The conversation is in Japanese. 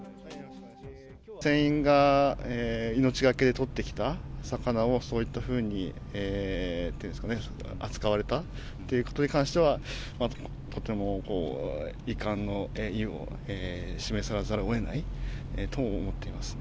船員が命懸けで取ってきた魚を、そういったふうに扱われたっていうことに関しては、とてもこう、遺憾の意を示さざるをえないと思っていますね。